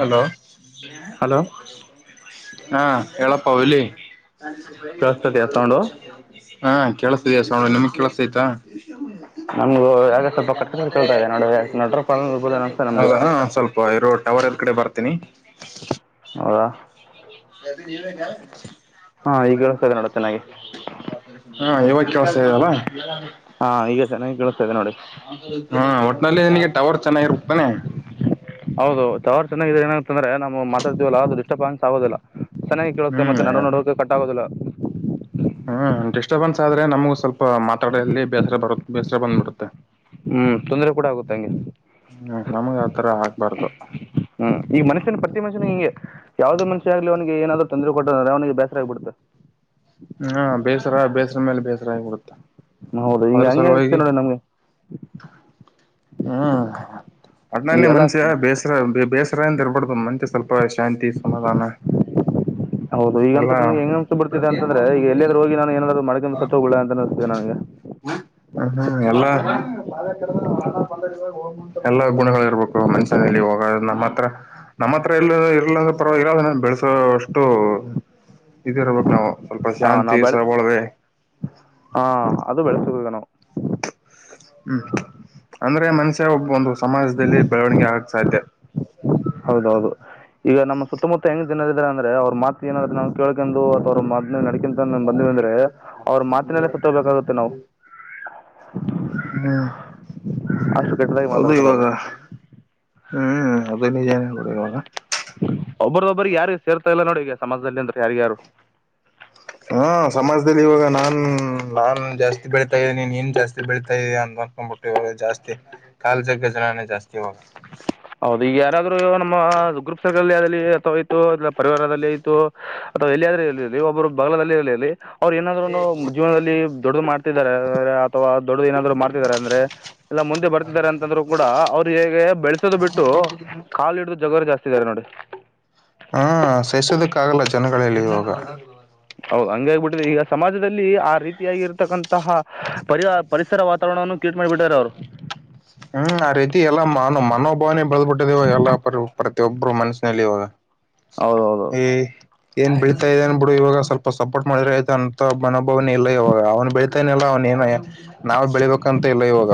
Hello hello ಹಾ ಎಳ ಪಾವಲಿ ಕೇಳಿಸ್ತಿದೆಯಾ ಸೌಂಡು ಹಾ ಕೆೇಳಸ ಇದಯ ಸ ನ ನಿಮಗ್ ಕ ಕೆಸ ಆಯ್ತಾ ನಮ್ು ಯಾಗ ಸ್ವಲ್ಪ ಕಟ್ಕ ಕೇಳ್ತಾ ಇದೆ ನೋಡ ಅಲ್ಲ ಹ ಸ್ವಲ್ಪ ಇರೋ ಟವರ್ ಎಲ್ ಕಡೆ ಬರ್ತೀನಿ ಹಾ ಈಗ ಕೇಳಿಸ್ತಾ ಇದೆ ನೋಡು ಚೆನ್ನಾಗಿ ಹಾ ಇವ ಕಸೇ ಅಲ್ಲ ಹಾ ಈಗ ಚೆನ್ನಾಗಿ ಕಳಿಸ್ತಾದೆ ನೋಡಿ ಹಾ ಒಟ್ಟನಲ್ಲಿ ನಿಿನಗೆ ಟವರ್ ಚೆನ್ನಾಗಿರುತಾನೆ ಹೌದು ತ ಅವರು ಚೆನ್ನಾಗ ಏನ ಅಂತಂದ್ರೆ ನಾವು ಮಾತಾಡ್ತವಲ್ಲ ಅದುಡಿಸ್ಟರ್ಬ್ ಆನ್ಸ್ ಆಗೋದಿಲ್ಲ ಚೆನ್ನಾಗಿ ಕೇಳೋೆ ಹ್ಮ್ ಮತ್ತ ನಡು ನಡೋಕ ಕಟ್ಟಾಗೋದಿಲ್ಲ ಹ್ಮ್ ಡಿಸ್ಟರ್ಬೆನ್ಸ್ ಆದರೆ ನಮಗೆ ಸ್ವಲ್ಪ ಮಾತಾಡಲ್ಲಿ ಬೇಸರ ಬರುತ್ತೆ ಬೇಸರ ಬಂದು್ಬಿಡುತ್ತೆ ಹ್ಮ್ ತೊಂದರೆ ಕೂಡ ಆಗುತ್ತೆ ಹಂಗೆ [inaudible] ಹ್ಮ್ ನಮಗ ಆತರ ಆಗ್ಬಾರ್ದು ಹ್ಮ್ ಈ ಮನುಷ್ಯನ ಪ್ರತಿ ಮನುಷ್ಯನ ಹಿಂಗೆ ಯಾವವುದೇ ಮನುಷ್ಯ ಆಗ್ಲಿ ಅವನಿಗೆ ಏನಾದ್ರು ತೊಂದ್ರ ಕೊಟ್ಟ ಅಂದ್ರೆ ಅವ್ನಿಗೆ ಬೇಸರ ಆಗ್ಬಿಡುತ್ತೆ ಹಾ ಬೇಸರ ಬೇಸರ ಮೇಲೆ ಬೇಸರ ಆಗ್ ಬಿಡುತೇ ಹೌದು ಈಗ ಹಂಗೆ ಆಗ್ತತೆ ನೋಡಿ ನಮ್ಗೆ [inaudible] ಹ್ಮ್ ಒಟ್ನಲ್ಲಿ ಮನ್ಷ್ಯ ಈಗೆಲ್ಲ ಬೇಸರ ಬೇಸರ ಅಂತ ಇರ್ಬಾರಡ್ದು ಮನ್ತ್ ಸ್ವಲ್ಪ ಎಷ್ಟ [unintelligible] ಶಾಂತಿ ಸಮಮಾಧಾನ ಹೌದು [inaudible] ಈಗಂತೂ ಎಲ್ಲಾ ನನಗೆ ಹೆಂಗ್ ಅನ್ಸಿ ಬಿಡ್ತಿದೆ [unintelligible] ಹ ಅಂತಂದ್ರೆ ಈಗ ಎಲ್ಲಿಯಾದ್ರೂ ಹೋಗಿ ನಾನು ಏನಾದ್ರು ಮಾಡ್ಕೊಂಡು ಹ್ಮ ಸತ್ತೋಗ್ಬಿಡ ಅಂತ ಅನಿಸ್ತಿದೆ ನನಗೆ ಎಲ್ಲ [unintelligible] [unintelligible] ಎಲ್ಲಾ ಗುಣಗಳ ಇರ್ಬೇಕು ಮನ್ಷ್ಯನಲ್ಲಿ ಹೋಗ ನಮ್ಮ ಹತ್ರ ನಮ್ಮತ್ರ [unintelligible] ಅ ಇಲ್ಲ ಇರ್ಲಂಗ ಪರವಾಗಿಲ್ಲ ಬೆಳಸೋ ಅಷ್ಟು ಇದ ಇರ್ಬೇಕ್ ನಾವು ಸ್ವಲ್ಪ ಹಾ ಶಾಂತಿ ನಾವು ಬೆಳೆ ಸಬಳವೆ ಹಾ [unintelligible] ಹ್ಮ್ ಅಂದ್ರೆ ಮನ್ಷ್ಯ ಒಬ್ಬ ಒಂದು [unintelligible] ಸಮಾಜದಲ್ಲಿ ಬೆಳವಣಿಗೆ ಆಗಕ್ ಸಾಧ್ಯ ಹೌದೌದು ಈಗ ನಮ್ಮ ಸುತ್ತಮುತ್ತ ಹೆಂಗ ಜನರ ಇದಿದ್ದಾರೆ ಅಂದ್ರೆ ಅವ್ರ ಮಾತ ಏನಾದ್ರ ನವು ಕೇಳ್ಕೊಂಡಂದು ಅಥವಾ ಅವ್ರ ಮಾ [unintelligible] [unintelligible] ನಡಕಂತ ಬಂದವಿ [unintelligible] ಅಂದ್ರೆ ಅವ್ರ ಮಾತಿನಲ್ಲ ಸತ್ತಬೇಕಾಗುತ್ತೆ ನಾವು ಹ್ಮ್ ಅಷ್ಟು ಕೆಟ್ಟದಾಗಿ ಹೌದು ಮಾತಾಡ್ತಾರೆ ಇವಾಗ ಅವರು ಹ್ಮ್ ಅದು ನಿಜನ [unintelligible] ಒಬ್ಬರದೊಬ್ಬರಿಗೆ ಯಾರು ಸೇರ್ತಾ ಇಲ್ಲ ನೋಡಿ ಸಮಾಜದಲ್ಲಿ ಅಂತ ಯಾರ ಯಾರು ಹಾ ಸಮಾಜದಲ್ಲಿ ಇವಾಗ ನಾನ್ ನಾನ್ ಜಾಸ್ತಿ ಬೆಳತಾ ಇದ್ದೀನಿ ನೀನ್ ಜಾಸ್ತಿ ಬೆಳೀತಾ ಇದೀ ಅ [unintelligible] [unintelligible] ಜಾಸ್ತಿ ಕಾಲ್ ಜಗ್ಗ ಜನಾನೇ ಜಾಸ್ತಿ ಹ [unintelligible] ಹೌದು ಈಗ ಯಾರಾದ್ರೂ ನಮ್ಮ ಗ್ರೂಪ್ ಸಲ್ಲಿ ಅಲ್ಲಿ ಅಥವಾ ಆಯತು ಅ ಪರಿವಾರದಲ್ಲಿ ಆಯತು ಅಥವಾ ಎಲ್ಲಿಾದ್ರೂ ಇಲಿ ಒಬ್ರು ಬಗಲದಲ್ಲಿ ಇ ಹೇಳರ್ಲಿ ಅವ್ರು ಏನಾದ್ [unintelligible] ಜೀವನದಲ್ಲಿ ದೊಡದು ಮಾಡ್ತಿದ ಅಥವಾ ದೊಡ್ಡ ಏನಾದ್ರು ಮಾಡ್ತಿದ್ದಾರೆ ಅಂದ್ರೆ ಎಲ್ಲ ಮುಂದೆ ಬರ್ತಿದ್ದಾರೆ ಅಂತಂದ್ರು ಕೂಡ ಅವ್ರ ಹೇಗೆ [unintelligible] ಬೆಳಸೋದು ಬಿಟ್ಟು ಕಾಲು ಇಿಡ್ದ ಜರ ಜಾಸ್ತಿ ಇದಾರೆ ನೋಡಿ ಹಾ ಸಹಿಸೋದಕ್ಕ ಆಗಲ್ಲ ಜನಗಳಗಳಲ್ಲಿ ಇಾಗ [unintelligible] ಹೌದು ಹಂಗ ಆಗಬಿಟ್ಟಿದೆ ಈಗ ಸಮಾಜದಲ್ಲಿ ಆ ರೀತಿಯಾಗಿ ಇರ್ತಕ್ಕಂತಹ ಪರಿ ಪರಿಸರ ವಾತಾವರಣವನ್ನು ಕ [unintelligible] ಮಾಡಿಬಿಟ್ಟಾರ ಅವ್ರು ಹ್ಮ್ ಆ ರೀತಿ ಎಲ್ಲಾ ಮನೋ ಮನೋಭಾವನೆ ಬಳಬಿಟ್ಟಿದೆವಾಗ ಎಲ್ಲಾ ಪ್ರತಿಯೊಬ್ರು ಮನಸ್ಸಿನಲ್ಲಿ ಇವಾಗ ಹೌದು ಹೌದು [unintelligible] ಏ್ ಏನ್ ಬೆಳಿತಾ ಇದೇನ್ ಬಿಡು ಇವಾಗ ಸ್ವಲ್ಪ [unintelligible] ಪ [unintelligible] ಸಪೋರ್ಟ್ ಮಾಡಿದ್ರ ಆಯ್ತು ಅಂತ ಮನೊಬ್ಬವನ ಇಲ್ಲ ಇವಾಗ ಅವ್ನು ಬೆಳೀತಾನನಿಲ್ಲಲ್ಲ ಅವ್ಏನ ನಾವವು ಬೆಳಿಬೇಕಂತ ಅಂತ ಇಲ್ಲ ಇವಾಗ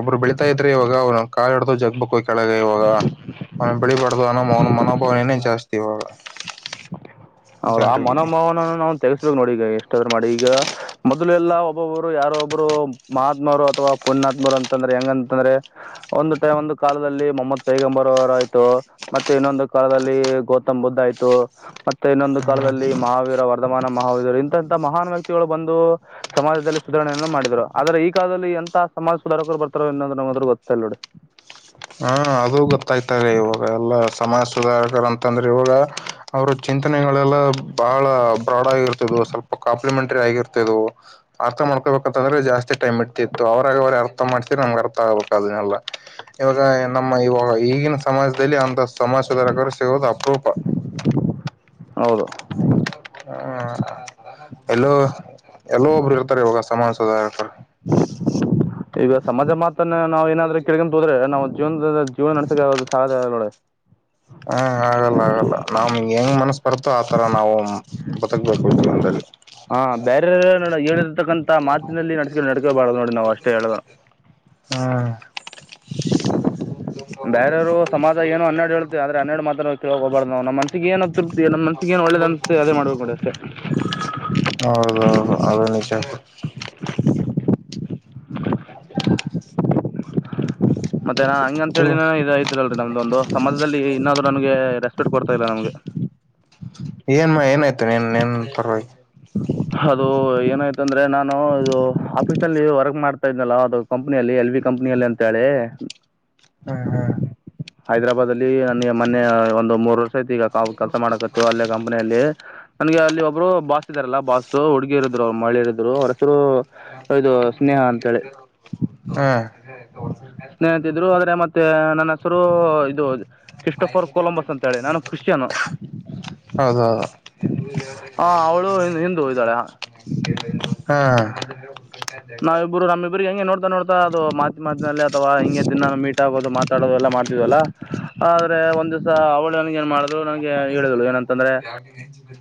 ಒಬ್ರು ಬೆಳೀತಾ ಇದ್ರೆ ಇವಾಗ ಅವ್ ಕಾಿಡ್ದ ಜಗ್ಬೇಕು ಕೆಳಗ ಇವಾಗ ಅವ ಬಿಳಬಾರ್ದು [unintelligible] ಅನ ಅವನ ಮನೋಭಾವನೆನೇ ಜಾಸ್ತಿ ಇವಾಗ ಹೌದು ಆ ಜನರಿಗೆ ಮನೋಭಾವನ ನಾವು ತೆಗೆಸ್ಬೇಕು ನೋಡಿ ಈಗ ಎಷ್ಟು ಮಾಡಿ ಈಗ ಮೊದಲೆ ಎಲ್ಲ ಒಬ್ಬೊಬ್ರು ಯಾರೊಬ್ರು ಮಹಾತ್ಮರು ಅಥವಾ ಪುಣಾತ್ಮರು ಅಂತಂದ್ರೆ ಹೆಂಗಂತಂದ್ರೆ ಒಂದು ಟೈಮ್ ಒಂದು ಕಾಲದಲ್ಲಿ ಮೊಹಮ್ಮದ್ ಪೈಗಂಬರ್ ಅವರ ಆಯ್ತು ಮತ್ತೆ ಇನ್ನೊಂದು ಕಾಲದ [unintelligible] ಗೌತಮ್ ಬುದ್ಧ ಆಯ್ತು ಮತ್ತೆ ಇನ್ನೊಂದು ಕಾಲದಲ್ಲಿ ಮಹಾವೀರ ವರ್ಧಮಾನ ಮಹಾವರು ಇಂತಹ ಮಹಾನ್ ವ್ಯಕ್ತಿಗಳು ಬಂದು ಸಮಾಜದಲ್ಲಿ ಸುಧಾರಣೆಯನ್ನು ಮಾಡ್ದರು ಆದರೆ ಈಗಾಗಾಲದಲ್ಲಿ [unintelligible] ಎಂತ ಸಮಾಜ ಸುಧಾರಕರು ಬರ್ತಾರ ಇನ್ನ್ ನದ್ರು ಗೊತ್ತೇಲ್ ನೋಡಿ [unintelligible] ಹಾ ಅದು ಗೊತ್ತಾಯ್ತಾರೆ ಇವಾಗ ಎಲ್ಲ ಸಮಾಜ ಸುಧಾರಕರ ಅಂತಂದ್ರೆ ಇವಾಗ ಅವರು ಚ [unintelligible] ಚಿಂತನೆಗಳೆಲ್ಲ ಬಹಳ ಬ್ರಾಡ್ ಆಗಿರ್ತ ಸ್ವಲ್ಪ ಕಾಂಪ್ಲಿಮೆಂಟರಿ ಆಗಿರ್ತ ಆ [unintelligible] ಮಾಡ್ಕಬೇಕಂತಂದ್ರೆ ಜಾಸ್ತಿ ಟೈಮ್ ಇಡ್ತಿತ್ತು ಅವ್ರಾಗ ಅವ್ರೆ ಅರ್ಥ ಮಾಡಸಿರ ನಮಗ್ ಅರ್ಥ ಆಗ್ಬೇಕು ಅದನ್ನೆಲ್ಲ. ಇವಾಗ ನಮ್ಮ ಇವಾಗ ಈಗಿನ ಸಮಾಜದಲ್ಲಿ ಅಂತ ಸಮಾಜ ಸುದಾರಕರು ಸಿಗುವುದು ಅಪರೂಪ. ಹೌದು [unintelligible] ಹ್ಮ [unintelligible] ಎಲ್ಲೋ ಎಲ್ಲೋ ಒಬ್ರು ಇರ್ತಾರೆ ಇವಾಗ ಸಮಾಜ ಸುದಾರಕರ. [unintelligible] ಈಗ ಸಮಾಜ ಮಾತನ್ನ ನಾವ್ ಏನಾದ್ರೆ ಕೇಳಕೊಂತ ಹೋದ್ರ ನಾವು ಜೀವನದುದ್ದಕು ಜೀವನ ನಡೆಸಕ ಸಾದ್ಯ ಆಗಲ್ಲ. [unintelligible] ಹಾ ಆಗಲ್ಲ ಆಗಲ್ಲ ನಾ, [unintelligible] ಹೆಂಗ್ ಮನಸ್ ಬರತೊ ಆತರ ನಾವು ಬದಕ ಬೇಕು ಜೀವನದಲ್ಲಿ. ಹಾಂ ಬ್ಯಾರೆರ ನೋಡ ಹೇಳಿದ, ಇತಕ್ಕಂತ ಮಾತಿನಲ್ಲಿ ನಟಿಕಗಳು [unintelligible] [inaudible] ನಡ್ಕೇಬಾರದು ನೋಡಿ ನಾವು ಅಷ್ಟೇ ಹೇಳುದು. ಹ್ಮ್ ಬೇರೆಯವರು ಸಮಾಜ ಏನೋ ಹನ್ನರಡು ಹೇಳತ್ತೆ ಆದ್ರೆ ಹನ್ನೆರಡು ಮಾತನ್ನು ಕೇಳಕೊ ಹೋಗಬಾರದು ನಾವು ನಮ್ಮ ಮನಸಿಗೆ ಏನ, ನಮ್ಮ ಮನ್ಸಿಗೆ ಏನ್ ಒಳ್ಳೇದ ಅನ್ಸುತ್ತೆ ಅದೇ ಮಾಡ್ಬೇಕು ನೋಡಿ ಅಷ್ಟೆ. ಹೌದು ಹೌದು ಅದ ನಿಜಾನೆ. ಹ [inaudible] ಮತ್ತೆ ನಾ ಹಂಗ ಅಂತ ಹೇಳಿ ಇವು ಇದ ಐತ್ರಲ್ಲ್ ನಮ್ದೊಂದು ಸಮಾಜದಲ್ಲಿ ಇನ್ನಾದ್ರು ನನ್ಗೆ ರೇ, ಸ್ಪೀಟ್ ಕೊಡ್ತಾ ಇಲ್ಲ ನಮಗೆ. ಏನಮ್ಮ ಏನಾಯ್ತು ನೀನ್ ನೀನ ಪರವಾಗಿ? ಅದು ಏನಾಯ್ತ ಅಂದ್ರೆ ನಾನು ಇದು ಆಫೀಸ್ ಅಲ್ಲಿ ವರ್ಕ್ ಮಾಡ್ತಾ ಇದ್ನಲ್ಲ ಅದು ಕಂಪ್ನಿಯಲ್ಲಿ, ಎಲ್ ವಿ ಕಂಪನಿಯಲ್ಲಿ ಅಂತ ಹೇಳಿ, ಹ್ಮಂ ಹ ಹೈದ್ರಾಬಾದ್ ಅಲ್ಲಿ ನನಗೆ ಮೊನ್ನೆ ಒಂದು ಮೂರು, [unintelligible] ಈಗ ಕೆಲಸ ಮಾಡಕತ್ತು ಅಲ್ಲೇ ಕಂಪನಿಯಲ್ಲಿ ನನಗೆ ಅಲ್ಲಿ ಒಬ್ರು ಬಾಸ್ ಇದಾರಲ್ಲ ಬಾಸು ಹುಡುಗಿರ ಇದ್ರು ಮಹಿಳೆರ ಇದ್ರು ಅವ್ ಹಂ ಮತ್ತೆ ನನ್ನ ಹೆಸರು ಇದು ಕ್ರಿಸ್ಟೋಫರ್ ಕೊಲಂಬಸ್ ಅಂತ ಹೇಳಿ ನಾನು ಕ್ರಿಶ್ಚಿಯನ್. ಹೌದೌದು ಹಾ ಅವಳು ಹಿಂದ ಹೋಗಿದ್ದಾಳೆ. [unintelligible] ಹಂ ನಾವ ಇಬ್ರು ನಮ್ಮ ಇಬ್ಬರಿಗೆ ಹೆಂಗೆ ನೋಡ್, ನೋಡ್ತಾ ನೋಡ್ತಾ ಅದು ಮಾತ ಮಾತಿನಲ್ಲಿ ಅಥವಾ ಹಿಂಗೆ ದಿನ್ನಾನ್ನು ಮೀಟ್ ಆಗೋದು ಮಾತಾಡೋದು ಎಲ್ಲ ಮಾಡ್ತಿದವಲ್ಲ ಆದ್ರೆ, ಒಂದ್ ದಿವಸಾ ಅವಳ್ ನನಗೆ ಏನ್ ಮಾಡದ್ಳು ನಂಗೆ ಹೇಳಿದ್ಳ ಏನಂತಂದ್ರೆ,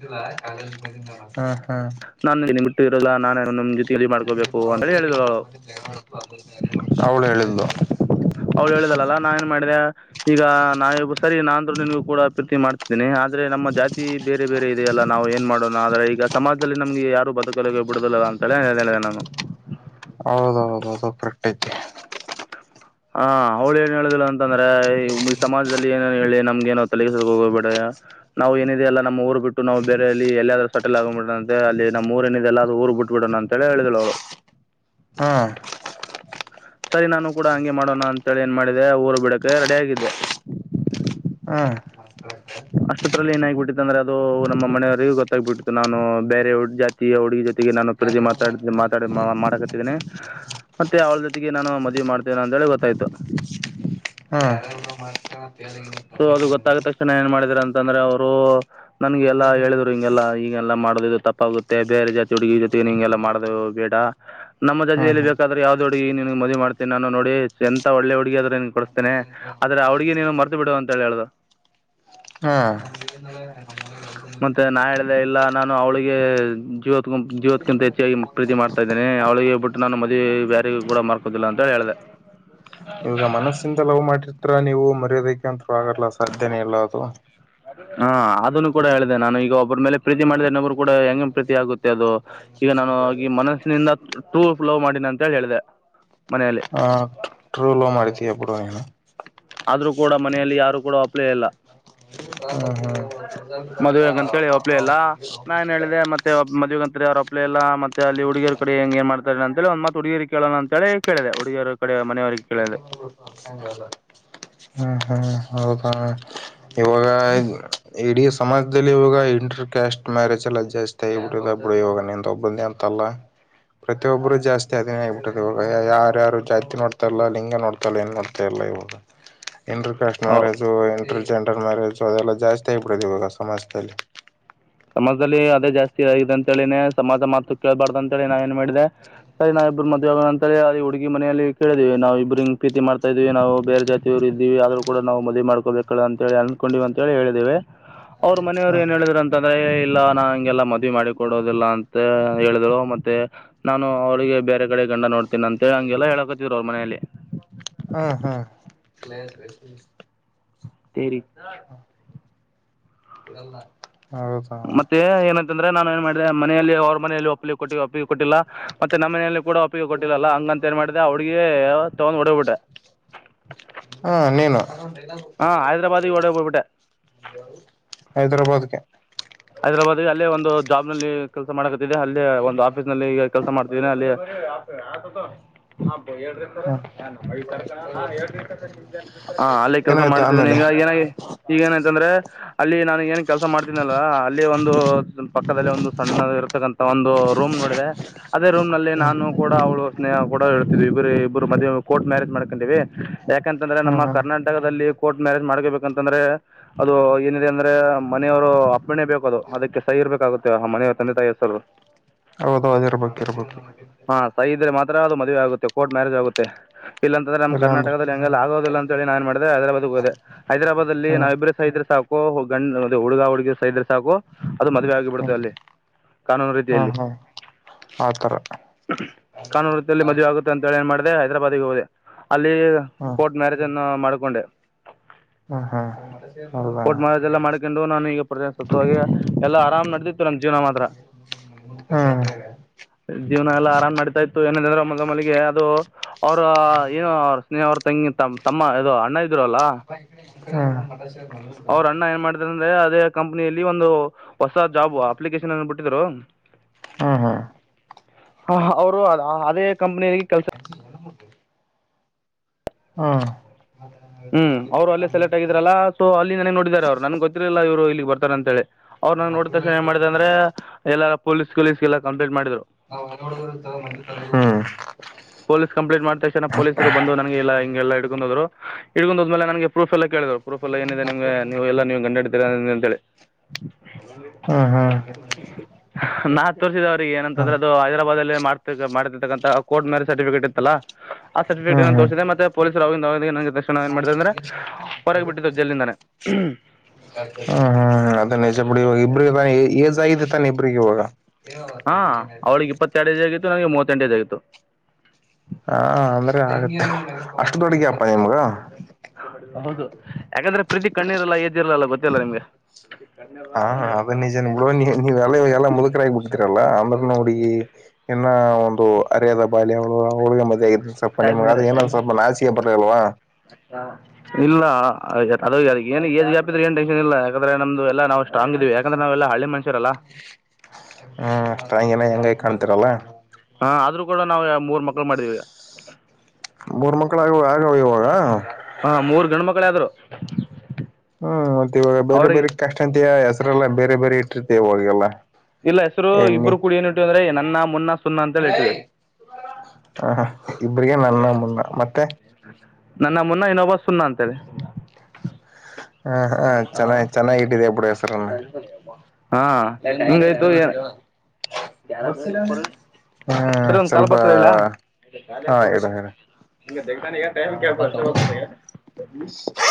[unintelligible] ಕ ನಾನು ನಿನ್ನ ಬಿಟ್ಟು ಇರೋಲ್ಲ ನಾನೇ ನಿಮ ಜೊ, ಅವಳು ಹೇಳಿದ್ಲು ಅವ್ಳು ಹೇಳಿದಲ್ಲಾ ನಾನ್ ಏನ್ ಮಾಡಿದೆ ಈಗ ನಾವ ಇಬ್ಬರು ಸೇರಿ ನಾನಂತು ನಿನ್ಗೂ ಕೂಡ ಪ್ರೀ ಆದ್ರೆ ನಮ್ಮ ಜಾತಿ ಬೇರೆ ಬೇರೆ ಇದೆಯಲ್ಲ ನಾವು ಏನ್ ಮಾಡೋಣ ಆದ್ರೆ ಈಗ ಸಮಾಜದಲ್ಲಿ ನಮ್ಗೆ ಯಾರು ಬದುಕಲ ಬಿಡುದಿಲ್ಲಾ. ಅಂತಲ ಅದೇ ಪ್ರಕ್ಟಗೆ ಹಾಂ ಅವಳ ಏನ್ ಹೇಳಿದ್ಳು ಅಂತಂದ್ರೆ ಈ ಸಮಾಜದಲ್ಲಿ ಏನು ಹೇಳಿ ನಮಗೆ ಏನೋ ತಲೆಕೆಡಸೋ ಹೋಗ್ಬೇಡಿ. ನಾವು ಏನಿದೆ ಎಲ್ಲಾ ನಮ್ಮ ಊರು ಬಿಟ್ಟ ನಾವ ಬೇರೆ ಎಲ್ಲಿ ಎಲ್ಲಾದರು ಸೆಟಲ್ ಆಗನಬಿಡ ಅಂತೆ ಅಲ್ಲಿ ನಮ್ಮ ಊರ ಏನಿದೆಲ್ಲ ಅ ಊರು ಬಿಟ್ಬಟ್ಟು ಅಂತಲ್ಲ ಹೇಳಿದಳ ಅವಳು ಹಾಂ ಸರಿ ನಾನು ಕೂಡ ಹಂಗೆ ಮಾಡೋಣ ಅಂತೇಳಿ ಏನ್ ಮಾಡಿದೆ ಊರ ಬಿಡಕೆ ರೆಡಿ ಆಗಿದ್ದೆ. ಹಾ ಅಷ್ಟತ್ರಲ್ಲ ಏನ ಆಗಿಬಿಟ್ಟಿತ್ತಂದ್ರೆ ಅದು ನಮ್ಮ ಮನೆಯವರಿಗೆ ಗೊತ್ತಾಗ್ಬಿಟ್ಟಿತ್ತು ನಾನು ಬೇರೆ ಜಾತಿಯ ಹುಡುಗಿ, ಜೊತೆಗೆ ನಾನು ಪ್ರೀತಿ ಮಾತಾಡ ಮಾತಾಡ ಮಾಡಕತ್ತನಿ. ಮತ್ತೆ ಅವಳ ಜೊತೆಗೆ ನಾನು ಮದವಿ ಮಾಡ್ತೇನ ಅಂತೇಳಿ ಗೊತ್ತಾಯ್ತು. ಹಾಂ [inaudible] ಸೊ ಅದು ಗೊತ್ತಾಗಾದ ತಕ್ಷಣ ಏನ್ ಮಾಡಿದ್ರ ಅಂತಂದ್ರೆ ಅವ್ರು ನನ್ಗೆ ಎಲ್ಲಾ ಹೇಳಿದ್ರು ಹಿಂಗೆಲ್ಲ ಈಗೆಲ್ಲಾ ಮಾಡ, ಮಾಡೊದ ಇದು ತಪ್ಪಾಗುತ್ತೆ ಬೇರೆ ಜಾತಿ ಹುಡುಗಿ ಜೊತೆ ಹಿಂಗೆಲ್ಲ ಮಾಡದು ಬೇಡ ನಮ್ಮ ಜಾತಿಯಲ್ಲಿ ಹಾ ಬೇಕಾದ್ರೆ ಯಾವ್ದ, ಹುಡಗಿ ನಿನಗ ಮದವಿ ಮಾಡ್ತೇನ ನಾನ ನೋಡಿ ಎಂತ ಒಳ್ಳೆ ಹುಡುಗಿ ಆದ್ರ ಕೊಡಿಸ್ತೇನೆ ಆದ್ರೆ ಹುಡುಗಿ ನೀನು ಮರತ ಬಿಡು. ತಳ ಆಳದ [unintelligible] ಹಾ ಹ ಮತ್ತೆ ನಾ ಹೇಳ್ದ ಇಲ್ಲ ನಾನು ಅವಳಿಗೆ ಜೀವತ್ ಜೀವತ್ಕ್ಕಿಂತ ಹೆಚ್ಚಾಗಿ ಪ್ರೀತಿ ಮಾಡ್ತಾ ಇದ್ದೇನೆ ಅವಳ ಗೆ ಬಿಟ್ಟು ನಾನು ಮದಿ ಬೇರೆಗ ಕೂಡ ಮಾರದಿಲ್ಲ ಅಂತ ಹೇಳಿ ಹೇಳಿದೆ ಈವಗ ಮನಸ್ಸಿಂದ ಲವ್ ಮಾಡಿರ್ತ ನೀವು ಮರ್ಯೋದಕ್ಕೆ ಅಂತರು ಆಗಲ್ಲ ಸಾಧ್ಯನೇ ಇಲ್ಲ ಅದು ಹಾ ಅದನ್ನು ಕೂಡ ಹೇಳಿದೆ ನಾನು ಈಗ ಒಬ್ಬ್ರ ಮೇಲೆ ಪ್ರೀತಿ ಮಾಡಿದ ಇನ್ನೊಬ್ಬರು ಕೂಡ ಹೆಂಗ ಪ್ರೀತಿ ಆಗುತ್ತೆ ಅದು ಈಗ ನಾನು ಆ ಮನಸ್ಸಿನಿಂದ ಟೂ್ ಲವ್ ಮಾಡನಿ ಅಂತ ಹೇಳಿ ಹೇಳಿದೆ ಮನೆಯಲ್ಲಿ ಆ ಟ್ರೂಲವ್ ಮಾಡಿದ್ಯಾ ಬಿಡು ಅಂಗಾದ್ರೆ ಆದ್ರೂ ಕೂಡ ಮನೆಯಲ್ಲಿ ಯಾರು ಕೂಡ ಒಪ್ಲೇ ಇಲ್ಲ ಹ್ಮ್ ಹ್ಮ್ ಮದ್ುವಗ ಅಂತ ಹೇಳಿ ಒಪ್ಲ ಇಲ್ಲ ನಾನ ನ್ ಹೇಳಿದೆ ಮತ್ತೆ ಮದ್ುವೆಗಂತ ಅವ್ರ ಅಪ್ಲೆ ಎಲ್ಲ ಮತ್ತೆ ಅಲ್ಲಿ ಹುಡುಗರ ಕಡೆ ಹೆಂಗ ಏ ಮಾಡ್ತಾರೆ ಅಂತ ಹೇಳ ಒಂದ್ತ್ ಹುಡುಗಿರು ಕೇಳಣ ಅಂತಿ ಕೇಳಿದೆ ಹುಡುಗಿಯರ ಕಡೆ ಮನೆವರಿಗೆ ಕೇಳದೆ ಹ್ಮ ಹೌ ಇವಾಗ ಇಡೀ ಸಮಾಜದಲ್ಲಿ ಇವಾಗ ಇಂಟರ್ ಕ್ಯಾಸ್ಟ್ ಮ್ಯಾರೇಜ್ ಎಲ್ಲ ಜಾಸ್ತಿ ಆಗ ಬಿಟ್ಟಿದ್ದಾವೆ ಇಡ ಇವಾಗ ನನು ತ ಒಬ್ಬಂದ ಅಂತಲ್ಲ ಪ್ರತಿಯೊಬ್ಬರು ಜಾಸ್ತಿ ಅದಿನೇ ಆಗ್ಬಿಟ್ಟತದೆ ಇವಾಗ ಯಾರ್ಯಾರು ಜಾತಿ ನೋಡ್ತಲ್ಲ ಲಿಂಗ ನೋಡ್ತಾರಲ್ಲ ಏನ್ ನೋಡ್ತಾ ಇಲ್ಲ ುದು ಎಂದು ಓ ಮ್ಯಾರೇಜು ಇಂಟ್ರರ್ ಜೆಲ್ ಮ್ಯಾರೇಜು ಅದೆಲ್ಲ ಜಾಸ್ತಿ ಆಗಿಬಿಡದು ಇವಾಗ ಸಮಾಜದಲ್ಲಿ ಸಮಾಜದಲ್ಲಿ ಅದೇ ಜಾಸ್ತಿ ಆಗಿದೆ ಅಂತೇಳಿನನೆ ಸಮಾಜ ಮಾತು ಕೇೇಳಬಾರ್ದು ಅಂತ ಹೇಳಿ ನಾವ ಏನ್ ಮಾಡಿದೆ ಸರಿ ನಾವ ಇಬ್ಬರು ಮದುವೆ ಅಂತ ಹೇಳ ಅಲ್ಲಿ ಹುಡುಗಿ ಮನೆಯಲ್ಲಿ ಕೇಳಿದೀವಿ ನಾವು ಇಬ್್ರ ಪ್ರತಿ ಮಾಡ್ತಾ ಇದೀವಿ ನಾವು ಬೇರೆ ಜಾತಿವ್ರು ಇದೀವಿ ಆದ್ರ ೂಡಾವು ಮದವಿ ಮಾಡ್ಕೋಬೇಕಲ್ಲ ಅಂತ ಹೇಳಿ ಅಂದಕೊಂಡಿವ ಅಂತ ಹೇಳಿ ಹೇಳಿದೇವೆ ಅವ್ರ ಮನೆಯವರು ಹ ಏನ್ ಹೇಳಿದ್ರ ಇಲ್ಲ ನಾ ಹಗೆಲ್ಲ ಮದ್ವಿ ಮಾಡಿಕ ಕೊಡೋುದಿಲ್ಲ ಅಂತ ಹೇಳಿದ್ರು ಮತ್ತೆ ನಾನು ಅವಿಗೆ ಬೇರೆ ಕಡೆ ಗಂಡ ನೋಡ್ತೀನಿ ಅಂತ ಹೇಳಿ ಹಂಗೆಲ್ಲ ಹೇಳಕತ್ತಿದ್ ಅವ್ರ ಮನೆಯಲ್ಲಿ ಹಾ ಹಾ ಹೌದಾ ಅಂದ್ರೆ ನಾನು ಏನ್ ಮಾಡಿದೆ ಮನೆಯಲ್ಲಿ ಅವ್ರ ಮನೆಯಲ್ಲಿ ಒಪ್ಪಿಗೆ ಕೊಟ್ಟ ಒಪ್ಪಿಗೆ ಕೊಟ್ಟಿಲ್ಲ ಮತ್ತೆ ನಮ್ಮ ಮನೆಯಲ್ಲಿ ಕೂ ಒಪ್ಪಿಗೆ ಕೊಟ್ಟಿಲ್ಲ ಅಲ್ಲ ಹಂಗ ಂತ ಏನ್ ಮಾಡಿದೆ ಅವಡ್ಗಿ ತಗೊಂಡ್ ಹೊಡ್ಬಿಟ್ಟ ಹಾ ನೀನು ಹಾ ಹೈದರಾಬಾಾದ ಡಯ್ಬಟ್ಟ ಹೈದರಾಬಾದ್ಗೆ ಹೈದರಾಬಾದ್ಗೆ ಅಲ್ಲೇ ಒಂದು ಜಾಬ್ ನಲ್ಲಿ ಕೆಲಸ ಮಾಡಕತ್ತಿದೆ ಅಲ್ಲೇ ಒಂದು ಆಫೀಸ್ ನಲ್ಲಿ ಈಗ ಕೆಲಸ ಮಾಡ್ತಿದ್ದನಿ ಅಲ್ಲಿ ಆತ ಆತ ಹಾ ಹೇಳ್ರಿ ಸರ್ ಹ್ಮ ನನ್ ತರ್ಕ ಹ ಹೇಳ್ರಿರ್ ನಿಮ್ದ ಹಾ ಅಲ್ಲಿ ಕೆಲಸ ಏನಾಯ್ತು ಮಾಡ್ತಿದ್ದೀನಿ ಆಮೇಲೆ ಈಗ ಏನಾಗಿ ಈಗೇನಂತಂದ್ರೆ ಅಲ್ಲಿ ನಾನು ಏನ್ ಕೆಲ್ಸ ಮಾಡ್ತೀನಲ್ಲ ಅಲ್ಲಿ ಒಂದು ಪಕ್ಕದಲ್ಲಿ ಒಂದು ಸಣ್ಣ ಇರ್ತಕ್ಕಂಂತ ಒಂದು ರೂಮ್ ನೋಡಿದೆ ಅದೇ ರೂಮ್ ನಲ್ಲಿ ಹ್ಮ್ ನಾನು ಕೂಡ ಅವಳು ಸ್ನೇಹ ಕೂಡೇಳ್ತಿದ್ ಇಬ್ ಇಬ್ರು ಮ ಕೋರ್ಟ್ ಮ್ಯಾರೇಜ್ ಮಾಡ್ಕೊಂಡಿವವಿ ಯಾಕಂತಂದ್ರೆ ನಮ್ಮ ಹ್ಮ್ ಕರ್ನಾ ಹ್ಮ್ ಕರ್ನಾಟಕದಲ್ಲಿ ಕೋರ್ಟ್ ಮ್ಯಾರೇಜ್ ಮಾಡ್ಕೋಬೇಕಂತಂದ್ರೆ ಅದು ಏನಿದೆ ಅಂದ್ರೆ ಮನೆಯವರು ಅ ಪ್ಪಣೆ ಬೇಕದು ಅದಕ್ಕೆ ಸಹ ಇರ್ಬೇಕಾಗುತ್ತೆ ಮನೆಯ ತಂದೆ ತಾಯಿ ಹೆಸರು ಹೌದೌದು ಇರ್ಬೇಕು ಇರ್ಬೇಕು ಹಾ ಸಹ ಇದ್ರೆ ಮಾತ್ರ ಅದು ಮದ್ವೆ ಆಗುತ್ತೆ ಕೋರ್ಟ್ ಮ್ಯಾರೇಜ್ ಆಗುತ್ತೆ ಇಲ್ಲ ಅಂದ್ರೆ ನಮ್ಮ ಇಲ್ಲಾಂದ್ರೆ ಕರ್ನಾಟಕದಲ್ಲಿ ಹೆಂಗಲ್ಲ ಆಗೋಿಲ್ಲ ಅಂತ ಹೇಳಿ ನಾನ್ ಮಾಡಿ ಹೈದರಾಾದ್ ಹೋದೆ ಹೈದರಾಬಾದ್ಲ್ಲಿ ಹ್ಮ್ ನಾಾವ ಇಬ್ಬರು ಸಹ್ರ ಸಾಕು ಗಂಡ್ ಹುಡುಗಾ ಹುಡುಗ ೈ್ರೆ ಸಾಕು ಅದು ಮದುವೆ ಆಗಿಬಿಡತದೆ ಹ್ಮ್ ಅಲ್ಲಿ ಕಾನೂನು ಹ್ಮ ರೀತಿಯಲ್ಲಿ ಹ್ಮ್ ಆತರ ಕಾನೂನು ವೃತ್ತಿಯಲ್ಲಿ ಮದುವೆ ಆಗುತ್ತೆ ಅಂತ ಹೇಳ ಏನ್ ಮಾಡಿದೆ ಹೈದರಾಬಾದ್ಿಗೆ ಹೋದೆ ಅಲ್ಲಿ ಕೋರ್ಟ್ ಮ್ಯಾರೇಜ್ ಅನ್ನ ಮಾಡ್ಕೊಂಡೆ ಹಾ ಕೋಟ್ ಮಾರಾಜ್ ಎಲ್ಲ ಮಾಡ್ಕೊಂಡು ನಾನು ಈಗ ಸ ಎಲ್ಲಾ ಆರಾಮ್ ನಡೆದಿತ್ತು ನಮ್ ಜೀವನ ಮಾತ್ರ ಹಾ ಜೀವನ ಎಲ್ಲ ಆರಾಮ್ ಮಾಡ್ತಾ ಇತ್ತು ಏನಂದ್ರೆ ಮೊಲ ಮಲ್ಲಿಗೆ ಅದು ಅವ್ರ ಏನುೋ ಅವ ಸ್ನೇಹ್ರ ತಂಗ ತಮ್ಮ ಅೋ ಅಣ್ಣ ಇದರು ಅಲ್ಲ ಮ ಅವ್ರ ಅಣ್ಣ ಏನ್ ಮಾಡಿದಾರ ಅಂದ್ರೆ ಅದೇ ಕಂಪನಿಯಲ್ಲಿ ಒಂದು ಹೊಸ ಜಾಬ್ ಅಪ್ಲಿಕೇಶನ್ ಬಿಟ್ಟಿದ್ರು ಹ್ಮ ಹಾ ಹ ಅವರು ಅ ಅದೇ ಕಂಪನಿಯಿಗೆ ಕೆಲ್ಸ ಹ್ಮ್ ಹ್ಮ್ ಅವರು ಅಲ್ಲೇ ಸೆಲೆಕ್ಟ್ ಆಗಿದಾರಲ್ಲಾ ಸೊ ಅಲ್ಲಿ ನನಗ್ ನೋಡಿದಿದ್ದಾರೆ ಅವರು ನನ್ಗ್ ಗೊತ್ತಿಲಿಲ್ಲ ಇವ್ರು ಇಲ್ಲಿಗ್ ಬರ್ತಾರ ಅಂತ ಹೇಳಿ ಅವ್ರು ನಂಗ ನೋಡ ತಕ್ಷಣ ಏ ಮಾಡಿದೆ ಅಂದ್ರೆ ಎಲ್ಲ ಪೋೀಸ್ ಕಲೀಸ್ ಎಲ್ಲ ಕಂಪ್ಲೇಂಟ್ ಮಾಡಿದ್ರು ಹ್ಮ್ ಪೊಲೀಸ್ ಕಂಪ್ಲೀಟ್ ಮಾಡ್ ತಕ್ಷಣ ಪೊಲೀಸರು ಬಂದು ನನಗೆಲ್ಲ ಹಂಗೆಲ್ಲ ಹಿಕೊಂಡ ಹೋ್ರು ಹಡ್ಕೊಂಡ ಹೋದ್ಮೇಲೆ ನಗೆ ಪ್ರೂಫ್ಲ್ಲೇಳಿ ಹೇಳರು ಪ್ರೂಫ್ ಎಲ್ಲ ಏನಿದೆ ನಿಮ್ಗೆ ನೀವು ಎಲ್ಲಾ ನೀವ್ ಗಂಡಡತೀರ ಅಂತ ಹೇಳಿ ಹ್ಮ ಹ್ಮ ನಾ ತೋರಿಸಿದ ಅವ್ರಿಗೆ ಏನಂತಂದ್ರೆ ಅದು ಹೈದರಾಬಾದಲ್ಲೇ ಮಾಡ್ತಿ ಮಾಡಿತಿರ್ತಕ್ಕಂತ ಕೋರ್ಟ್ ಮ್ಯರೆ ಸರ್ಟಿಫಿಕೇಟ್ ಇತ್ತಲ್ಲ ಆ ಸರ್ಟಿಫಿಕೇಟ್ ಹ್ಮ್ ಹ್ಮ್ ತೋರಿಸಿದೆ ಮತ್ತೆ ಪೊಲೀಸರು ಅವ ನ ತಕ್ಷ ಏ ಮಾಡತ ಅಂದ್ರೆ ಹೊರಗ ಬಿಟ್ಟಿದ್ದು ಜಲ್ಲಿಿಂದಾನೇ ಹ್ಮ ಹ್ಮ ಮದ್ವೆ ಆಗಿದೆ ತಾನೆ ಇಬ್ರಿಗೆ ಇವಾಗ ಹಾ ಅವಳಿಗೆ ಇಪ್ಪತ್ತೆರಡದ ಆಗತ್ತು ನಂಗೆ ಮೂವತ್ತೆಂಟೇದ ಆಗತ್ತು ಹಾ ಅಂದ್ರೆ ಆಗತ್ತೆ ಅಷ್ಟು ತೊಡಗಪ್ಪಾ ನಿಮ್ಗ ಹೌದು ಯಾಕಂದ್ರೆ ಪ್ರೀತಿ ಕಣ್ಣಿರಲ್ಲ ಎಜದ್ದಿರಲ ಅಲ್ಲ ಗೊತ್ತಿಲ್ಲ ನಿಮ್ಗೆ ಹಾ ಅದನ್ನ ನಿಜಾನಾ ಬಿಡುವ ನೀ ನೀವ್ ಎಲೆಲ್ಲ ಮುದುಕರ ಆಗ್ ಬಿಡ್ತೀರಲ್ಲಾ ಆಮ್ರ ಉಣ್ಣ ಹುಡುಗಿ ಇನ್ನ ಒಂದು ಅರಿಯದ ಬಾಲ್ಯ ಅವಳ ಅವಳ್ನ ಮದ್ವೆರ ಸಪ ನಿಮ್ಗ ಅದು ಏನ ಸ್ವಲ್ಪ ನಾಚಿಕೆ ಬರ್ಲಿಲ್ವಾ ಹೌ ಅದದು ಅದ ಏಜ್್ಯಾಪಿದ ಏ ಟೆನ್ಶನ್ ಇಲ್ಲ ಯಾಕಂದ್ರೆ ನಮ್ದುಲ್ಲ ನಾ ಸ್ಟ್ರಾಂಗ್ ಇದೀವಿ ಯಾಕಂದ್ರೆ ನಾವೆಲ್ಲಾ ಹಳ್ಳಿ ಮನುಷ್ಯರಲ್ಲ ಕಾಣ್ತರಲ್ಲ ಹಾ ಆದ್ರೂ ಕೂಡ ನಾವವು ಯಾವ ಮೂರ್ ಮಕ್ಳು ಮಾಡಿದೀವಿ ಈಗ ಮೂರ್ ಮಕ್ಳ ಆಗುವ ಆಗವ ಇವಾಗ ಾದ್ರು ಹ್ಮ್ ಮತ್ತೆ ಇವಾಗ ಬೇರೆ ಬೇರೆ ಕ್ಯಾಸ್ಟ್ ಅಂತಿಯಾ ಹೆಸ್ರರೆಲ್ಲ ಬೇರೆ ಬೇರೆ ಇಟ್ಟಿರ್ತವಾಗೆಲ್ಲ ಇಲ್ಲ ಹೆಸರು ಇಬ್ರು ಕೂಡಿ ಏನ್ಟ್ಟು ಅಂದ್ರೆ ನನ್ನ ಮುನ್ನ ಸುನ್ನ ಅಂತೇಳಿ ಇಟ್ಟಿವಿ ಹ ಇಬ್ರಿಗೆ ನನ್ನ ಮುನ್ನ ಮತ್ತೆ ನನ್ನ ಮುನ್ನ ಇನೋಬಾ ಸುನ್ನ ಅಂತ ಹೇಳಿ ಹ ಹಾ ಚೆನ್ನ ಚೆನ್ನಾಗಿ ಇಟ್ಟಿದೆ ಬಿಡು ಹೆಸರನ್ನ ಹಾ ಹಂಗಾಯ್ತು ಏನ್ ಹ್ಮ್ ಸರಿ ಒಂದ ಕಾಲು ಸ್ವಲ್ಪ ಬರ್ತದೆ ಇಡ್ಲಾ ಹಾ ಇಡು ಇಡು ನಿ ದಾಾನ ಟೈಮ್ ಕ ಬ ವತ ಭಯ [unintelligible]